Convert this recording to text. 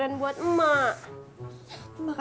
saya juga mau nyasar